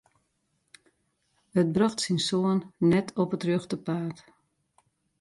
It brocht syn soan net op it rjochte paad.